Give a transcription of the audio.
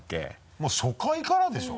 もう初回からでしょ？